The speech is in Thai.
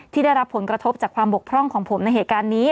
ได้รับผลกระทบจากความบกพร่องของผมในเหตุการณ์นี้